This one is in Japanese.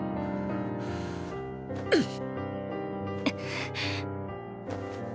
うん！！